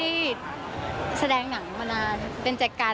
เป็นจัดการเลยแบบ